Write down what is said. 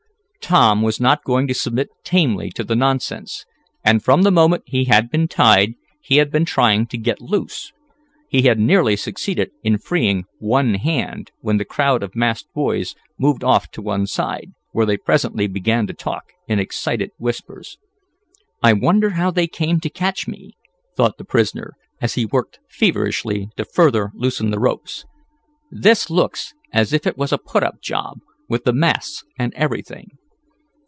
Tom was not going to submit tamely to the nonsense, and from the moment he had been tied, he had been trying to get loose. He had nearly succeeded in freeing one hand when the crowd of masked boys moved off to one side, where they presently began to talk in excited whispers. "I wonder how they came to catch me," thought the prisoner, as he worked feverishly to further loosen the ropes. "This looks as if it was a put up job, with the masks, and everything."